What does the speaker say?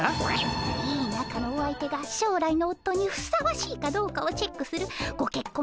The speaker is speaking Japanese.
いいなかのお相手が将来のおっとにふさわしいかどうかをチェックするごけっこん